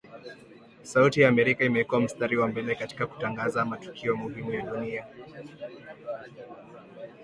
Sauti ya Amerika imekua mstari wa mbele katika kutangaza matukio muhimu ya dunia